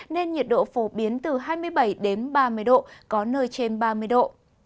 nên nhiệt độ phổ biến từ hai mươi bảy đến ba mươi độ có nơi trên ba mươi độ